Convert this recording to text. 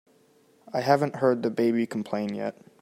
I haven't heard the baby complain yet.